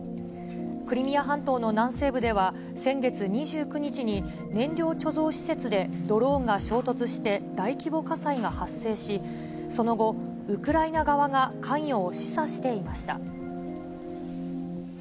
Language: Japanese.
クリミア半島の南西部では先月２９日に、燃料貯蔵施設でドローンが衝突して、大規模火災が発生し、その後、ウクライナ側が関与を示唆していました。